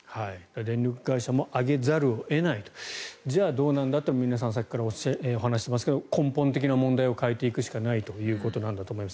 電力会社も上げざるを得ないじゃあどうなんだというので皆さんお話ししていますが根本的な問題を変えていくしかないんだと思います。